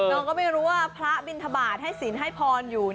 น้องก็ไม่รู้ว่าพระบินทบาทให้ศีลให้พรอยู่